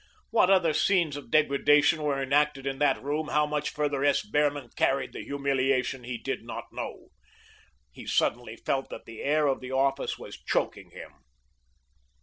What other scenes of degradation were enacted in that room, how much further S. Behrman carried the humiliation, he did not know. He suddenly felt that the air of the office was choking him.